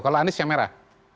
kalau anies yang merah